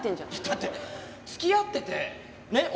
だって付き合っててねっ？